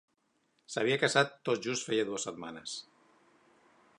S'havia casat tot just feia dues setmanes.